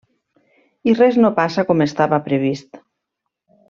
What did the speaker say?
I res no passa com estava previst.